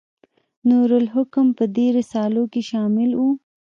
نور الحکم په دې رسالو کې شامل و.